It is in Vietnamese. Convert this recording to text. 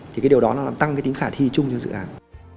thì điều đó là tăng tính khả thi chung cho dự án